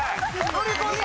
乗り込んだ！